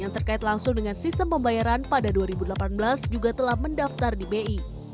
yang terkait langsung dengan sistem pembayaran pada dua ribu delapan belas juga telah mendaftar di bi